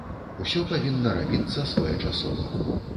Усё павінна рабіцца своечасова.